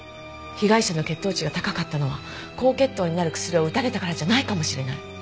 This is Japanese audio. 被害者の血糖値が高かったのは高血糖になる薬を打たれたからじゃないかもしれない。